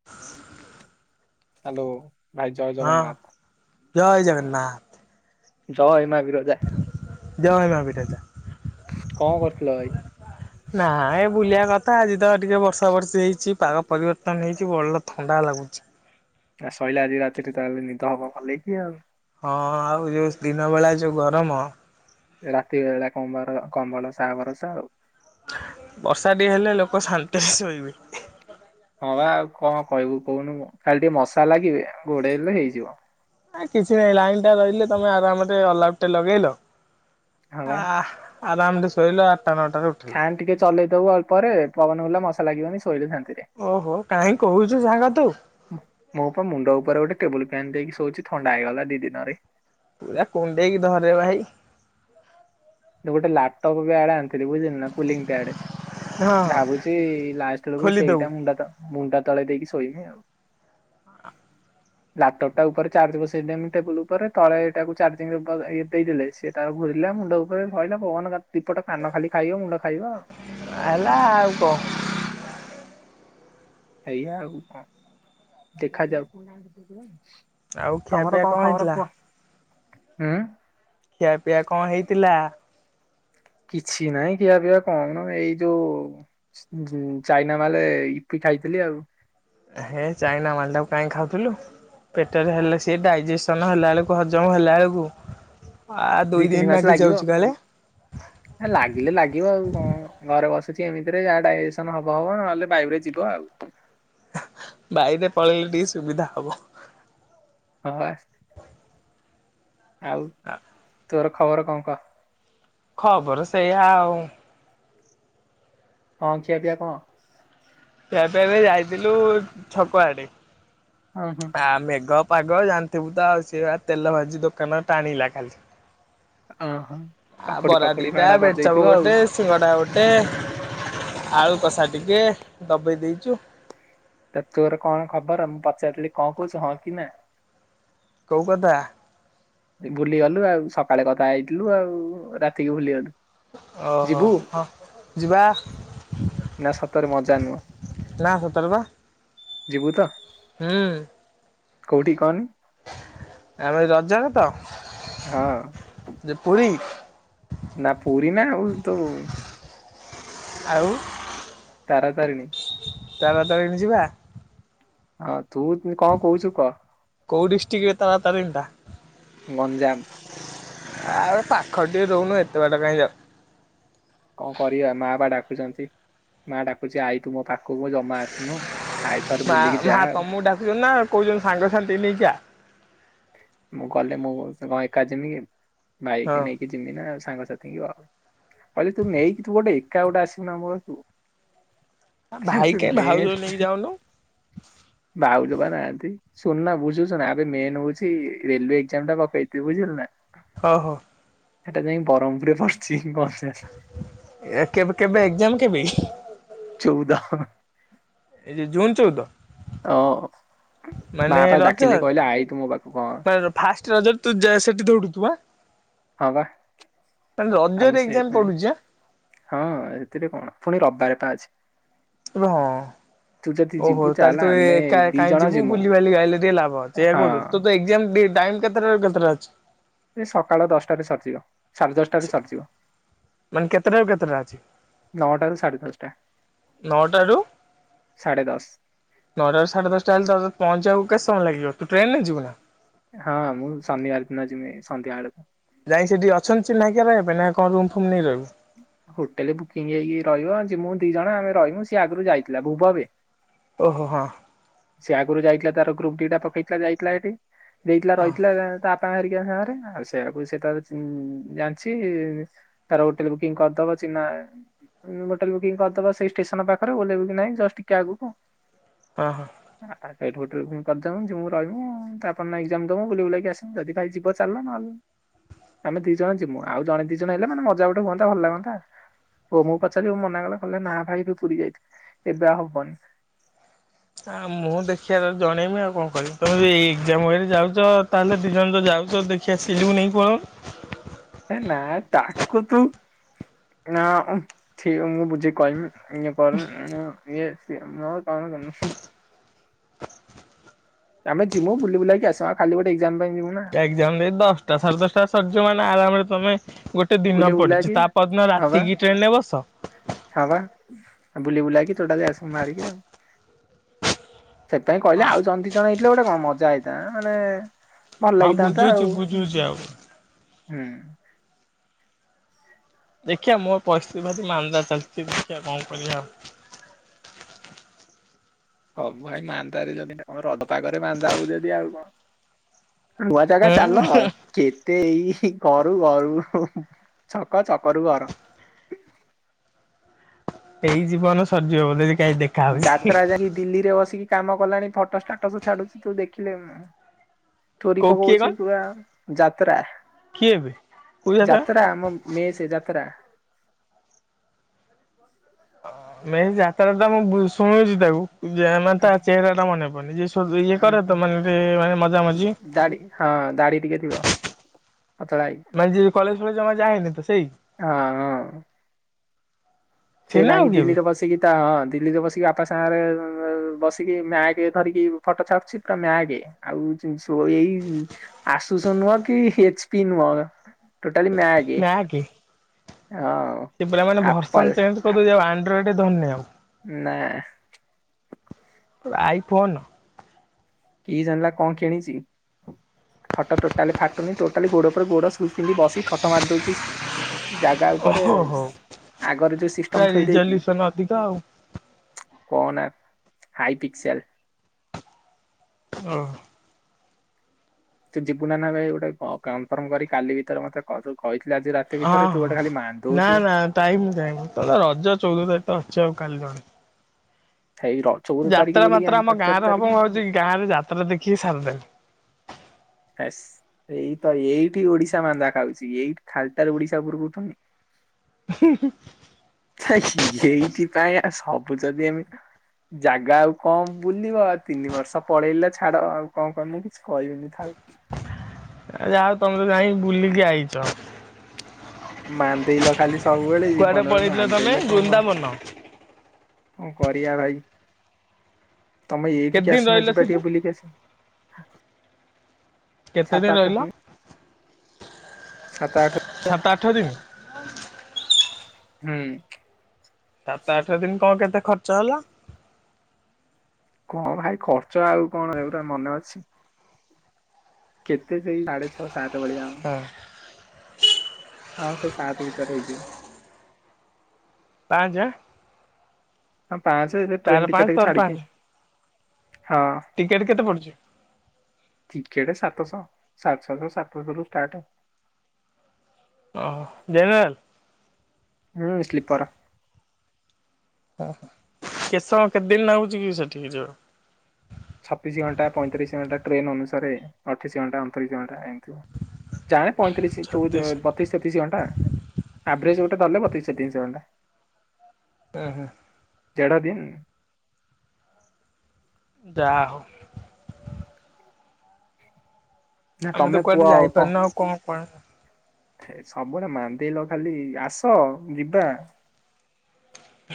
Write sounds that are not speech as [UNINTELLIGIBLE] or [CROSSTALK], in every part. [INAUDIBLE] Hello ଭାଇ ଜୟ ହଁ ଜଗନ୍ନାଥ ଜଏ ମା ବିରଜା। ଜୟ ମା ବିରଜା। କଣ କରୁଥିଲ ଭାଇ? ନା ଏ ବୁଲିବା କଥା ଆଜି ତ ଟିକେ ବର୍ଷା ବର୍ଷି ହେଇଛି ପାଗ ପରିବର୍ତ୍ତନ ହେଇଛି ଭଲ ଥଣ୍ଡା ଲାଗୁଛି। ଆ ଶୋଇଲେ ଆଜି ରାତିରେ ତାହେଲେ ନିଦ ହବ ଭଲେକି ଆଉ। ହଁ ଆଉ ଯୋଉ ଦିନ ବେଳା ଯୋଉ ଗରମ। ରାତି ବେଳା କମ୍ବର କମ୍ବଳ ଶହା ଭରଶା ଆଉ। ବର୍ଷାଟିକେ ହେଲେ ଲୋକ ଶାନ୍ତିରେ ଶୋଇବେ। ହଁ ବା ଆଉ କଣ କହିବୁ କହୁନୁ କାଲି ଟିକେ ମସା ଲାଗିବେ ଘୋଡେଇହେଲେ ହେଇଯିବ। ଆ କିଛି ନାହିଁ ଲାଇନ ଟା ରହିଲେ ତମେ ଆରାମରେ ଅଲ ଆଉଟ୍ ଟେ ଲଗେଇଲ ହଁ ବା। ଆ ଆରାମରେ ଶୋଇଲା ଆଠଟା ନଅଟାରେ ଉଠିବ। ଫ୍ୟାନ୍ ଟିକେ ଚଲେଇଦବ ଅଳ୍ପରେ ପବନ ବୁଲିଲେ ମସା ଲାଗିବନି ଶୋଇଲ ଶାନ୍ତିରେ। ଓହୋ କାହିଁ କହୁଛୁ ସାଙ୍ଗ ତୁ। ମୁଁ ପା ମୁଣ୍ଡ ଉପରେ ଗୋଟେ ଟେବୁଲ ଫ୍ୟାନ୍ ଦେଇକି ଶୋଉଛି ଥଣ୍ଡା ହେଇଗଲା ଦି ଦିନରେ। ପୁରା କୁଣ୍ଡେଇକି ଧରରେ ଭାଇ। ଗୋଟ ଲପଟପ୍ ବି ଆଡ଼େ ଆଣିଥିଲି ବୁଝିଲୁ। ହଁ [UNINTELLIGIBLE] ଭାବୁଛି ଲାଷ୍ଟ ବେଳକୁ ଖୋଲିଦବୁ ସେଇଟା ମୁଣ୍ଡା ତ ମୁଣ୍ଡା ତଳେ ଦେଇକି ଶୋଇମି ଆଉ। ଲାପଟପ୍ ଟା ଉପରେ ଚାର୍ଜ ବସେଇଲେମି ଟେବୁଲ ଉପରେ ତଳେଟାକୁ ଚାର୍ଜିଂ ଇଏ ଦେଇଦେଲେ ସିଏ ତାର ଘୁରିଲା ମୁଣ୍ଡଉ ଭହିଲ ପବନ ଦିପଟ କାନ ଖାଲି ଖାଇବ ମୁଣ୍ଡ ଖାଇବ ଆଉ। ହେଲା ଆଉ କଣ ଏଇଆା ଆଉ କଣ ଦେଖାଯାଉ। ଆଉ ଖିଆପିଆ ତମର କଣ ଖବର ହେଇଥିଲା? କୁହ ହୁଁ। ଖିଆ ପିଆ କଣ ହେଇଥିଲା? କିଛି ନହିଁ ଖିଆ ପିଆ କନ ଏଇ ଯୋଉ ଚାଇନା ମାଲେ ଇପି ଖାଇଥିଲି ଆଉ। ହେ ଚାଇନା ମାଲେଟାକୁ କାହିଁ ଖାଉଥିଲୁ। ପେଟରେ ହେଲେ ସିଏ ଡାଇଜେସନ୍ ହେଲା ବେଳକୁ ହଜମ ହେଲା ବେଳକୁ ଆ ଦି ଦୁଇ ଦିନ ଲାଗି ଯାଉଛି କାଳେ? ହେ ଲାଗିଲେ ଲାଗିବ ଆଉ କଣ। ଘରେ ବଶୁଛି ଏମିତିରେ ଯାହା ଡାଇଜେସନ୍ ହବ ହବ ନହେଲେ ବାୟୁରେ ଯିବ ଆଉ। ବାୟୁରେ ପଳେଇଲେ ଟିକେ ସୁବିଧା ହବ। ହଁ ଆତ୍। ଆଉ। ହ ତୋର ଖବର କଣ କ ଖବର ସେୟା ଆଉ। ହଁ ଖିଆ ପିଆ କଣ? କ୍ୟଫେ ଏବେ ଯାଇଥିଲୁ ଛକଆଡେ। ହଁ ହୁଁ। ଆ ମେଘ ପାଗ ଜାଣିଥିବୁ ତ ଆଉ ସେ ତେଲ ଭାଜି ଦୋକାନ ଟାଣିଲା ଖାଲି ଅ ହୋ। ଆଉ ବରା ଦିଟା ବେଟଚପ୍ ଗୋଟେ। ସିଙ୍ଗଡ଼ା ଗୋଟେ ଆଳୁ କଷା ଟିକେ ଦବେଇ ଦେଇଛୁ। ତ ତୋର କଣ ଖବର ମୁଁ ପଚାରଥିଲି କଣ କହୁଛୁ ହଁ କି ନା? କଉ କଥା? ବୁଲିଗଲୁ ଆଉ ସକାଳେ କଥା ହେଇଥିଲୁ ଆଉ ରାତିକି ଭୁଲିଗଲୁ। ଓହୋ ଯିବୁ ହଁ ଯିବା। ନା ସତରେ ମଜା ନୁହ ନା ସତରେ ବା ଯିବୁ ତ? ହୁଁ। କୋଉଠି କହନି? ଆମ ଏ ରଜରେ ତ ହଁ। ଯେ ପୁରୀ ନା ପୁରୀ ନା ଉଲ ତୁ ଆଉ? ତାରାତାରିଣୀ ତାରତାରିଣୀ ଯିବା? ହଁ ତୁ କଣ କହୁଛୁ କହ? କୋଉ ଡିଷ୍ଟିକରେ ତାରାତାରିଣୀ ଟା। ଗଞ୍ଜାମ। ଆବେ ପାଖରେ ଟିକେ ରହୁନୁ ଏତେ ବାଟ କାଇଁ ଯାଉ କଣ କରିବା ମା ବା ଡାକୁଛନ୍ତି ମା ଡାକୁଛି ଆଇ ତୁ ମୋ ପାଖକୁ ଜମା ଆସିନୁ। ଆଇ ଥରେ ମା ବୁଲିକି ମା ଯାଆ ଆଉ ତମକୁ ଡାକୁଛନ୍ତି ନା କହୁଛନ୍ତି ସାଙ୍ଗସାଥିକି ନେଇକି ଆ ମୁଁ ଗଲେ ମୁଁ ସେ ଏକା ଜମିକି ବାଇକି ହଁ ନେଇକି ଚିନି ନା ସାଙ୍ଗଥି ବ କହଲି ତୁ ନେଇକିଥିବୁ ତୁ ଗୋଟେ ଏକା ଗୋଟେ ଆସୁ ଆମର କୁ। ଭାଇ କାଇଁ ଭାଉଜ ମେଜ୍ ନେଇକି ଯାଉନୁ ଭାଉଜବା ନାହଁଆନ୍ତି ସୁନା ବୁଝୁଛୁନା ଆବେ ମେନ ହଉଛି ସେ ରେଲୱେ ଏକ୍ଜାମ ଟା ପକେଇଚି ବୁଝିଲ ନା? ହଁ ହଉ। ସେଟା ଯାଇଁ ବରହମପୁରେ ପଡ଼ିଛି ବର୍ଷେ। ଏ କେବେ କେବେ ଏକ୍ଜାମ କେବେ? ଚଉଦ ହ ଏଇ ଯଉ ଜୁନ୍ ଚଉଦ ହଁ ମା ମାନେ ପା ରଜ ଡାକିଲେ କହିଲେ ଆଇଛୁ ମୋ ପାଖକୁ ହଁ ଫାଷ୍ଟ ରଜ ତୁ ଯା ସେଠି ଦୌଡୁଥୁବୁ ଆଁ ହଁ ବା ମାନେ ରଜରେ ଆମ ଏକ୍ଜାମ ସେଇଥିପାଇଁ ପଡୁଛି ଆଁ ହଁ ଏଥିରେ କଣ ପୁଣି ରବିବାର ପା ଅଛି। ଇବେ ହଁ ଅ ତୁ ଯଦି ଓହୋ ଯିବୁ ତାହେଲେ ଚାଲେ ତୁ ଆମେ ଏକା ଏକା ଦି କାଇଁ ଜଣ ଯିବୁ ଯିମୁ ବୁଲିବାଲି ଆ ଇଲେ ଟିକେ ଲାଭ ଅଛି ଏଇଆ ହଁ କହୁଛୁ ତୋର ତ ଏକ୍ଜାମ ଡେ ଟାଇମ୍ କେତେଟା ରେ କେତେଟା ଅଛି। ସେ ସକାଳ ଦଶଟାରେ ସରିଯିବ ସାଢେ ଦଶଟାରେ ସରିଯିବ। ମାନେ କେତେଟାରୁ କେତେଟା ଅଛି ନଅଟାରୁ ସାଢେ ଦଶଟା ନଅଟାରୁ ସାଢ଼େ ଦଶ ନଅଟାରୁ ସାଢେ ଦଶଟା ହେଲେ ତ ପହଞ୍ଚିବାକୁ କେତେ ସମୟ ଲାଗିବ ତୁ ଟ୍ରେନରେ ଯିବୁ ନା ହଁ ମୁଁ ଶନିିବାର ଦିନ ଯିବି ସନ୍ଧ୍ୟା ବେଳକୁ ଯାଇକି ସେଠି ଅଛନ୍ତି ଚିହ୍ନା କିଏ ରହିବା ପାଇଁ ନା କଣ ରୁମ୍ ଫୁମ୍ ନେଇ ରହିବୁ। ହୋଟେଲ ବୁକିଂ ହେଇକି ରହିବ ଯେ ମୁଁ ଦି ଜଣ ଆମେ ରହିବୁ ସିଏ ଆଗରୁ ଯାଇଥିଲା ଭୁବବେ [INAUDIBLE] ଓହୋ ହୋ ହଁ ସେ ଆଗରୁ ଯାଇଥିଲା ତାର ଗ୍ରୁପ ଦିଟା ପକେଇଥିଲା ଯାଇଥିଲା ସେଠିକି ଦେଇଥିଲା ହଁ ରହିଥିଲା ଆ ତା ହେରିକା ସାଙ୍ଗରେ ଆଉ ସେଆକୁ ସେତ ଉ ଜାଣିଛି ତାର ଟ୍ ଥିଲେ ବୁକିଂ କରିଦବ ଚିହ୍ନା ହୋଟେଲ ବୁକିଂ କରିଦବା ସେଇ ଷ୍ଟେସନ ପାଖରେ ଓ୍ଲବୁ କି ନାଇଁ ଜଷ୍ଟ ଟିକେ ଆଗକୁ ହଁ ହଁ କରିଦବୁ ଯୁଁ ରହିବୁ ଆପଣ ଏଜାମ ଦବେ ବୁଲାକି ଆସେ ଯଦି କାଲି ଯିବା ଚାଲ ନହେଲେ ଆମେ ଦି ଜଣ ଯିମୁ ଆଉ ଜଣେ ଦି ଜଣ ହେଲେ ମାନେ ମଜା ମଜି ହୁନ୍ତା ଭଲ ଲାଗନ୍ତା ହୋ ମୁଁ ପଚାରିଲି ମନା କଲେ କହେ ନା ଭାଇ ଏ ପୁରୀ ଯାଇଥିଲି ଏବେ ଆଉ ହବନି ଆ ମୁଁ ଦେଖିବାରେ ଜଣେଇବି ଆଉ କଣ କରିବି ତମେ ଏଇ ଏକ୍ଜାମରେ ଯାଉଛ ତାହେଲେ ଦି ଜଣ ଯାଉଛ ଦେଖ ଖିଆ ସିଲୁକୁ ନେଇକି ପଳଉନୁ ହେ ନା ତାକୁ ତୁ ନା ଥିର ମୁଁ ବୁଝେଇ କହମି ଇ ପର [UNINTELLIGIBLE] ଆମେ ଯିମୁ ବୁଲି ବୁଲକି ଆସ ଆ ଖାଲି ଗୋଟେ ଏକ୍ଜାମ ପାଇଁ ଯିବୁ ନା ଏଜାମ ଦେଇ ଦଶଟା ସାଢେ ଦଶଟା ସରିଯିବ ମାନେ ଆରାମରେ ତମେ ଗୋ ଗୋଟେ ଦିନ ବୁଲି ପଡ଼ିଛି ବୁଲାକି ତା ପରଦିନ ରାତିକି ଟ୍ରେନରେ ବସ ହଁବା ବୁଲି ବୁଲାକି ଥଟା ଯ ଆସ ମାରିକ ଆଉ ସେପାଇଁ କହିଲେ ଆ ଆଉ ଜଣେ ଦି ଜଣ ହେଇଥିଲେ ଗୋଟେ କଣ ମଜା ହେଇଥା ମାନେ ଭଲ ହଁ ଲାଗିଥାନ୍ତା ବୁଝୁଛୁ ଆଉ ବୁଝୁଛି ଆଉ। ହୁଁ ଦେଖିବା ମୋର ପରିସ୍ଥିତି ଭାରି ମାନ୍ଦା ଚାଲିଛି ଦେଖିବା କଣ କରିବାଉ ହବୁ ଭାଇ ମାନ୍ଦାରେ ଯଦି କଣ ରଜ ପାାଗରେ ମାନ୍ନ୍ଦା ହବ ଯଦି ଆଉ କଣ ନୂଆ ଜାଗା ଚାଲ ହୁଁ ଆଉ କେତେ ଏଇ ଘରୁ ଘରୁ ଛକ ଛକରୁ ଘର ଏଇ ଜୀବନ ସରିଯିବ ବ ଯଦି କାଇହିଁ ଦେଖ ଯାତ୍ରା ଯାଇକି ଦିଲ୍ଲୀରେ ବସିକି କାମ କଲାଣି ଫଟୋ ଷ୍ଟାଟସ ଛାଡୁଛି ତୁ ଦେଖିଲେ ମୁ ଥୋରି କୋଉ କିଏ ପକଉଛି କଣ ପୁରା ଯାତ୍ରା କିଏ ଏବେ? କୋଉ ଯାତ୍ରା ଆମ ମେ ସେ ଯାତ୍ରା ମ ଯାତ୍ରା ତ ମୁଁ ବୁ ଶୁଣୁଛି ତାକୁ ଇଏ ମାନେ ତ ଚେହେରା ଟା ମନେ ପଡୁନି ଯ ଇଏ କରେ ତ ମାନେ ମାନେ ମଜା ମଜି ଦାଢି ହଁ ଦାଢି ଟିକେ ଥିବ ପତଳା ହେଇକି। ମାନେ ଯେ କଲେଜ ଫଲେଜ ଆମର ଯାଏନି ତ ସେଇ ଆଁ ସେ ନା ଆଉ ଯାଇଁକି କିଏ ବେ ଦିଲ୍ଲୀରେ ବସିକି। ତ ହଁ ଦିଲ୍ଲୀରେ ବସିକି ବାପା ସାଙ୍ଗରେ ବସିକି ମ୍ୟାଗେ ଧରିକି ଫଟୋ ଛାଡ଼ୁଛି ତ ମ୍ୟାଗେ ଆଉ ଜିନ୍ ସ ଏଇ ଆଶୁଷ ନୁହଁ କି ଏଚ ପି ନୁହଁ। ଟୋଟାଲି ମ୍ୟାଗେ ନା କି ହଁ। ସେ ପିଲା ମାନେ ଆପଲ ଭର୍ସନ ଚେଞ୍ଜ କରିଦେଉଚି ଆଣ୍ଡ୍ରଏଡ ଧରନୁ ଆଉ। ନା। IPhone. କିଏ ଜାଣିଲା କଣ କିଣିଚି? ଫଟୋ ଟୋଟାଲି ଫାଟୁନି ଟୋଟାଲି ଗୋଡ ଉପରେ ଗୋଡ ସୁ ପିନ୍ଧି ବସି ଫଟ ମାରି ଦଉଚି। ଜାଗା ଉପରେ ଓହୋ ହୋ ଆଗରେ ଯୋଉ ପୁରା ସିଷ୍ଟମ ଥୋଇ ଦେଇକି। ରିଜଲ୍ୟୁସନ ଅଧିକ ଆଉ କହନା ହାଇ ପିକସିଆଲ। ଓଁ ତୁ ଯିବୁ ନା ନା ଭାଇ ଗୋଟେ ଙ୍କ କନଫର୍ମ କରି କାଲି ଭିତରେ ମତେ କହସବୁ। କହିଥିଲି ଆଜି ରାତ୍ ହଁ ହଁ ନା ନା ଟାଇମ କାଇଁ ତ ରଜ ଚଉଦ ତାରିଖ ଅଛି ଆଉ କାଲି କଣ। ହେଇ ର ଯାତ୍ରା ମାତ୍ରା ଆମ ଗାଁ ରେ ହବ ମୁଁ ଭାବୁଛି ଗାଁ ରେ ଯାତ୍ରା ଦେଖିକି ସାରିଦେମି। ଆ ଏଇ ତ ଏଇଠି ଓଡିଶା ମାନ୍ଦା ଖାଉଛି ଏଇଠି ଖାଲଟାର ଓଡିଶା ଉପୂରକୁ ଉଠୁନି। ହୁଁହୁଁ। ଏଇଥିପାଇଁ ଆ ସବୁ ଯଦି ଏମିତ୍। ଜାଗା ଆଉ କଣ ବୁଲିବ ଆଉ ତିନି ବର୍ଷ ପଳେଇଲେ ଛାଡ ଆଉ କଣ କି କିଛି କହିବିନି ଥାଉ। ଯାହଉ ତମେ ତ ଯାଇକି ବୁଲିକି ଆଇଚ। ମାନ୍ଦେଇଲ ଖାଲି ସବୁବେଳେ କୁଆଡେ ଜୀବନରେ ପଳେଇଥିଲ ତମେ ମାନ୍ଦେଇଲେ କଣ ହବ। ବୃନ୍ଦାବନ କଣ କରିବା ଭାଇ। ତମେ କେତେ ଏଇଠିକି ଦିନ ଆଶୁନା ରହିଲ ଯିବା ସେଠି ଟିକେ ବୁଲିକି ଆସ। କେତେ ଦିନ ରହିଲ। ସାତ ଆଠ ସାତ ଆଠ ଦିନ। ହୁଁ। ସାତ, ଆଠ ଦିନ କଣ କେତେ ଖର୍ଚ୍ଚ ହେଲା? କଣ ଭାଇ ଖର୍ଚ୍ଚ ଆଉ କଣ ଏଗୁରା ମନେ ଅଛି। କେତେ ସେଇ ସାଢେ ଛଅ, ସାତେ ଭଳିଆ ହବ। ହଁ ଆଉ ସେ ସାତ ଭିତରେ ହେଇଯିବ। ପାଞ୍ଚେ ଆଁ। ହଁ ପାଞ୍ଚେ ଯେ, ସେ ତାର ଟ୍ରେନ ପାଞ୍ଚ ଟିକେଟ କୁ ତୋର ପାଞ୍ଚ ଛାଡିକି। ହଁ ଟିକେଟ କେତେ ପଡୁଛି? ଟିକେଟେ ସାତଶହ ସାଢ଼େ ଛଅ ରୁ ସାତଶରୁ ଷ୍ଟାର୍ଟ। ଓହ [UNINTELLIGIBLE] ହୁଁ, ସ୍ଲିପର। ଉହୁଁ କେତେ ସମୟ, କେତେଦିନ ଲାଗୁଛି କି ସେଠିକି ଯିବକୁ? ଛବିଶି ଘଣ୍ଟା, ପଇଁତିରିଶି ଘଣ୍ଟା ଟ୍ରେନ ଅନୁସାରେ ଅଠେଇଶି ଘଣ୍ଟା, ଅଣତିରିଶି ଘଣ୍ଟା ଏମିତି। ଯାହା ହେନେ ପଇଁତୀରିଶି ଚୋଉଦ ଛତିଶ ବ୍ ବତିଶ, ତେତିଶ ଘଣ୍ଟା ଆଭରେଜ ଗୋଟେ ଧରଲେ ବତିଶ, ତେତିଶ ଘଣ୍ଟା। ଉଁ, ହୁଁ। ଦେଢ଼ ଦିନ ଯାହାହଉ। ନା ଆମେ ତ ତମେ କୁହ କୁଆଡେ ଆଉ ଯାଇପାରୁନୁ, ଆଉ କଣ କ ସବୁବେଳେ ମାନ୍ଦେଇଲ ଖାଲି, ଆସ ଯିବା।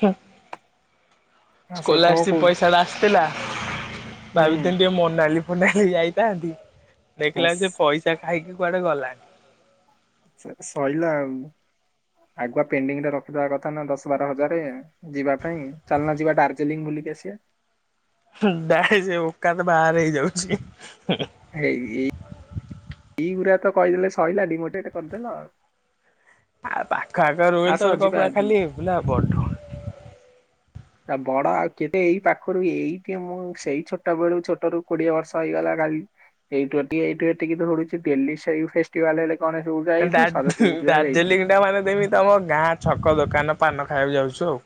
ହୁଁ। ଆସ କଣ ସ୍କୋଲାରସିପ କହୁଛ ପଇସା ଟା ଆସିଥିଲା। ହୁଁ ଭାବିିଥିଲି ଟିକେ ମୋନାଲି ମୋନାଲି ଯାଇଥାନ୍ତି, ଦେଖିଲା ବାସ ଆସିକି ସେ ପଇସା ଖାଇକି କୁଆଡେ ଗଲାଣି। ସେ ସଇଲା ଆଉ ଆଗୁଆ ପେଣ୍ଡିଂ ରେ ରଖିଥିବା କଥା ନା ଦଶ, ବାର ହଜାରେ। ଯିବା ପାଇଁ? ଚାଲୁନା ଯିବା ଡାର୍ଜିଲିଂ ବୁଲିକି ଆସିବା। ହୁଁ, ଡାଇ ସେ ଓକାତ ବାହାରେ ହେଇଯାଉଛି। ହୁଁ ଏଇ, ଇ ଇ ଗୁୁରା ତ କହିଦେଲେ ସରିଲା ଡିମୋଟିଟେ କରିଦେଲ। ଆଉ ପାଖ ଆଖ ରହିଲେ ଆସ ତୋର ତ ଯିବା ପୁରା ଖାଲି ବୁଲା ବଡ ଆ ବଡ ଆଉ କେତେ ଏଇ ପାଖରୁ ଏଇଠି ମୁଁ, ସେଇ ଛୋଟ ବେଳୁ ଛୋଟରୁୁ କୋଡିଏ ବର୍ଷ ହେଇଗଲା ଖାଲି ଏଇଠୁ ଏତିକି ଏଇଠୁ ଗଡୁଛି ଡେଲି ଶେଇ ଫେଷ୍ଟିଭାଲ ହେଲେ ଗଣେଷ ପୂଯା ଡାର ଡାର୍ଜିଲିଂ ଟା ମାନେ ଯେମିତି, ଆମ ଗାଁ ଛକ ଦୋକାନ। ପାନ ଖାଇବାକୁ ଯାଉଛୁ ଆଉ।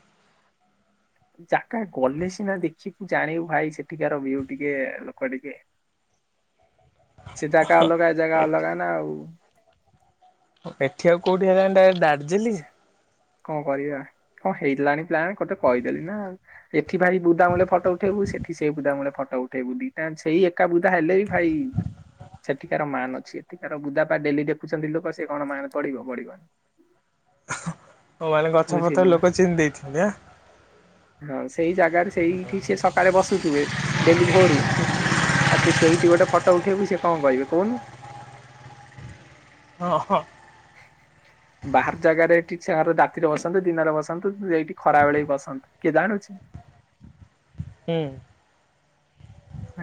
ଜାଗା ଗଲେ ସିନା ଦେଖିବୁ, ଜାଣିବୁ ଭାଇ ସେଠିକାର ଭିଉ ଟିକେ ଲୋକ ଟିକେ ସେ ଜାଗା ଅଲଗା ଏ ଜାଗା ଏଠି ଅଲଗା ନା ଆଉ। ଏଠି ଆଉ କୋଉଠି ହେଲାନି, ଡାଇରେକ୍ଟ ଦାର୍ଜିଲିଂ? କଣ କରିବା କଣ ହେଇଲାଣି ପ୍ଲାନ୍ ଗୋଟେ କହିଦେଲି ନାଉ। ଏଠି ଭାଈ ବୁଦାମୂଳେ ଫଟ ଉଠେଇବୁ ସେଠି ସେ ବୁଦାମୂଳେ ଫଟୋ ଉଠେଇବୁ ଦିଟା ଯାକ ସେଇ ଏ ଏକା ବୁଦା ହେଲେ ବି ଭାଇ ସେଠିକାର ମାନ ଅଛି। ଏଠିକାର ବୁଦାପା ଡେଲି ଦେଖୁଛନ୍ତି, ଲୋକ ସେ କଣ ମାନ ପଢିବ ବଢ଼ିବ। ହଉ ମାନେ ଗଛପତ୍ର ବୁଝିଲୁ ନା ଲୋକ ଚିହ୍ନି ଦେଇଛନ୍ତି। ଆଁ ହଁ, ସେଇ ଜାଗାରେ ସେଇଠି ସେ ସକାଳେ ବସୁଥିବେ ଡେଲି ଭୋରୁ ଆ ତୁ ସେଇଠି ଗୋଟେ ଫଟୋ ଉଠେଇବୁ, ସେ କଣ କହିବେ କହୁନୁ? ହଁ ହଁ। ବାହାର ଜାଗାରେ ଏଠି ଛାର ରାତିରେ ବସନ୍ତୁ, ଦିନରେ ବସନ୍ତୁ ଏଇଠି ଖରା ବେଳେ ବି ବସନ୍ତୁ କେ ଜାଣୁଛି ହୁଁ।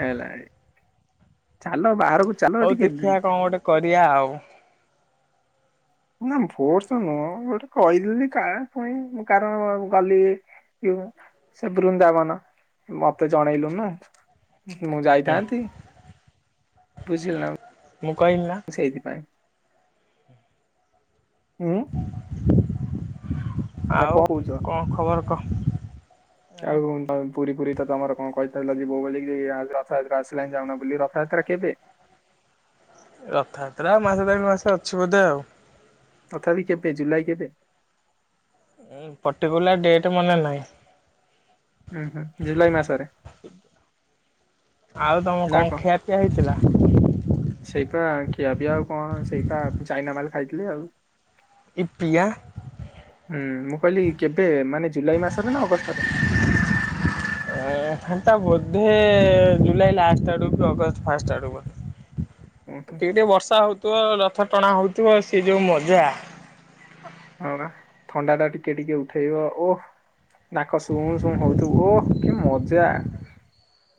ଏଲ ଆଇ ଚାଲ ବାହାରକୁ ହଉ ଟିକେ ଦେଖିବା କଣ ଗୋଟେ କରିବା ଆଉ। ନା ଫୋର୍ସ ନୁହଁ ଗୋଟେ କହିଦେ କା ପୁଣି କାରଣ ଗଲି କି ମୁଁ ସେ ବୃନ୍ଦାବନ ମୋତେ ଜଣେଇଲୁନି ମୁଁ ହୁଁ ଯାଇଥାନ୍ତି ବୁଝିଲୁ ନା ମୁଁ କହିଲି ନାଁ ସେଇଥିପାଇଁ ଉଁୁ। ନା ଆଉ କଣ କହୁଛ? କଣ ଖବର କହ? ଆଉ ପୁରୀ ଫୁରୀ ତ ତମର କଣ କହିଥିଲା ଯେ [UNINTELLIGIBLE] ରଥଯାତ୍ରା ଆସିଲାନ ଯାଉନ ବୁଲି ରଥଯାତ୍ରା କେବେ? ରଥଯାତ୍ରା ମାସ ଦେଢ ମାସ ଅଛି ବୋଧେ ଆଉ ତଥାପି କେବେ ଜୁଲାଇ କେବେ? ଉଁ ପର୍ଟିକୁଲାର ଡେଟ୍ ମନେ ନାହିଁ। ଉହୁଁ ଜୁଲାଇ ମାସରେ ଆଉ ତମର କଣ ଖିଆପିଆ ହେଇଥିଲା? ସେଇପା ଖିଆ ପିଆ ଆଉ କଣ ସେଇଟା ଚାଇନା ମାଲ ଖାଇଥିଲି ଆଉ। ଇପି ଆ ହୁଁ ମୁଁ କହିଲି କେବେ ମାନେ ଜୁଲାଇ ମାସରେ ନା ଅଗଷ୍ଟରେ? ଏଁ ହେଟା ବୋଧେ ଜୁଲାଇ ଲାଷ୍ଟ ଆଡକୁ କି ଅଗଷ୍ଟ ଫାଷ୍ଟ ଆଡକୁ ବ ଉଁ ଟିକେ ହୁଁ ଟିକେ ବର୍ଷା ହଉଥିବ ରଥ ଟଣା ହଉଥିବ ସେ ଯୋଉ ମଜା ଆଉ ନା ଥଣ୍ଡା ଟା ଟିକେ ଟିକେ ଉଠେଇବ ଓ ନାକ ଶୁଁ ଶୁଁ ହୋଉଥିବୁ ଓହ କି ମଜା।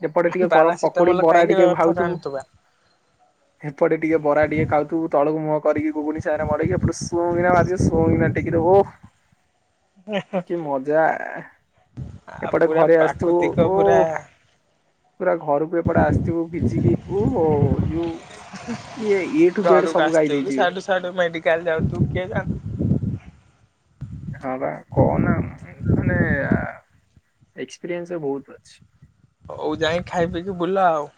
ଏପଟେ ଟିକେ ଗରମ ପକୋଡି ପାରାସିଟାମଲ ବରା ଖାଇକି ଟିକେ ରଥ ଘାଉଥୁବୁ। ଟାଣୁଥିବା। ହେପଟେ ଟିକେ ବରା ଟିକେ ଖାଉଥୁବୁ ତଳକୁ ମୁହଁ କରିକି ଗୁଗୁନି ସାଙ୍ଗରେ ମଡେଇିକି ଏପଟେ ଶୁଁ କିନା [UNINTELLIGIBLE] ଶୁଁ କିନା ଟେକି ଦବ ଓହ୍ କି ମଜା। ଆଉ ଏପଟେ ପୁରା ଘରେ ଆସଥିବୁ ପ୍ରାକୃତିକ ପୁରା ଓ ପୁରା ଘରୁକୁ ତୁ ଏପଟେ ଆସିଥିବୁ ଭିଜିକି ଓହୋ ଯୋଉ ଇଏ ଏ ଠୁ ଜେଡ ସବୁ ଗାଇ ଦେଇେଯିବେ। ସିୟାଡୁ ମେଡିକାଲ୍ ଯାଉଥୁବୁ କିଏ ଜାଣେ। ହଁ ବା କହନା ମାନେ ଏକ୍ସପିରିଏନ୍ସ ବୋହୁତ ଅଛି। ହୋଉ ଯାଇକିଁ ଖାଇ ପିଇକି ବୁଲ ଆଉ।